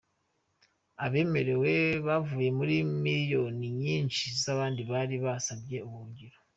Abemerewe bavuye muri miliyoni nyinshi z'abandi bari basabye ubuhungiro.